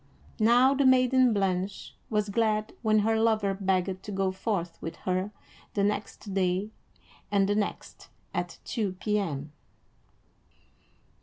Now the maiden Blanche was glad when her lover begged to go forth with her the next day and the next, at two P.M.